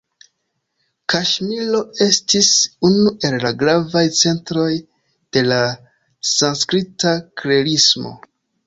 Kaŝmiro estis unu el la gravaj centroj de la sanskrita klerismo.